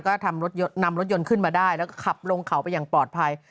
ก็ทำรถนำรถยนต์ขึ้นมาได้แล้วก็ขับลงเขาไปอย่างปลอดภัย